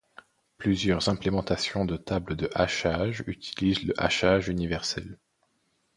Plusieurs implémentations de tables de hachage utilisent le hachage universel.